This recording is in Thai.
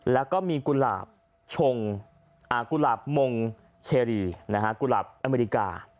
แล้วก็มีกุหลาบชงกุหลาบมงเชรีกุหลาบอเมริกา